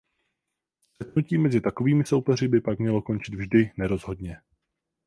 Střetnutí mezi takovými soupeři by pak mělo končit vždy nerozhodně.